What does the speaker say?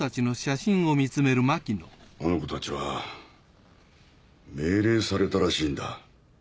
あの子たちは命令されたらしいんだ。